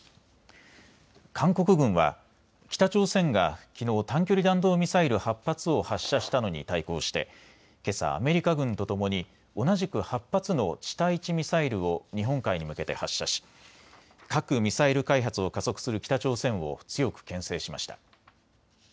韓国軍は北朝鮮がきのう短距離弾道ミサイル８発を発射したのに対抗してけさ、アメリカ軍とともに同じく８発の地対地ミサイルを日本海に向けて発射し核・ミサイル開発を加速する北朝鮮を強くけん制しました。